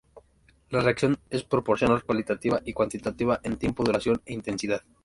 La reacción es proporcional cualitativa y cuantitativamente, en tiempo, duración e intensidad.